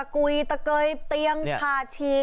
กะเกยเตียงถ่าชีก